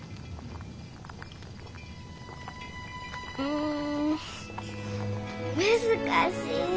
ん難しい。